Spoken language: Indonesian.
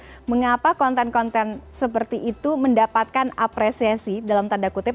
bagaimana mengapa konten konten seperti itu mendapatkan apresiasi dalam tanda kutip